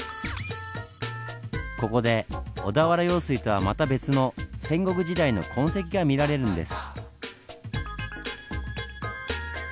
ここで小田原用水とはまた別の戦国時代の痕跡が見られるんです。